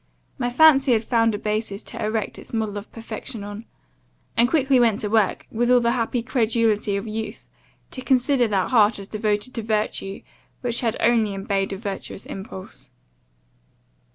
My fancy had found a basis to erect its model of perfection on; and quickly went to work, with all the happy credulity of youth, to consider that heart as devoted to virtue, which had only obeyed a virtuous impulse.